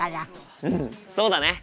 うんそうだね！